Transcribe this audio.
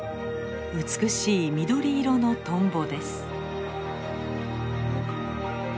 美しい緑色のトンボです。